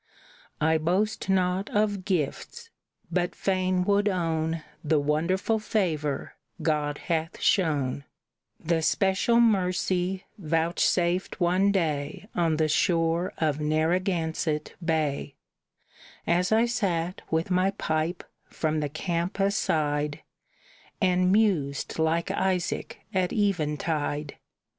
"I boast not of gifts, but fain would own The wonderful favor God hath shown, The special mercy vouchsafed one day On the shore of Narragansett Bay, As I sat, with my pipe, from the camp aside, And mused like Isaac at eventide.